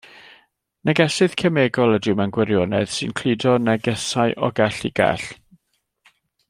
Negesydd cemegol ydyw mewn gwirionedd, sy'n cludo negesau o gell i gell.